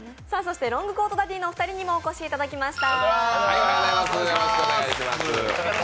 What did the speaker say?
ロングコートダディのお二人にもお越しいただきました。